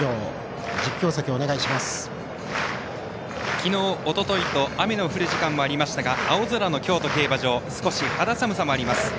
昨日、おとといと雨の降る時間もありましたが青空の京都競馬場少し肌寒さもあります。